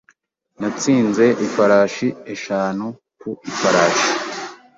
Natsinze ifarashi eshanu ku ifarashi.